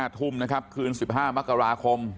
ทุ่มนะครับคืน๑๕มกราคม